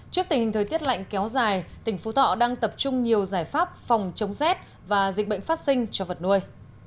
trước tình hình thời tiết lạnh kéo dài tỉnh phú thọ đang tập trung nhiều giải pháp phòng chống rét và dịch bệnh phát sinh cho vật nuôi